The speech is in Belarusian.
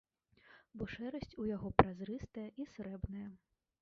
Бо шэрасць у яго празрыстая і срэбная.